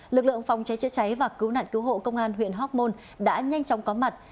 lực lượng phòng cháy chữa cháy và cứu nạn cứu hộ công an huyện hóc môn đã nhanh chóng có mặt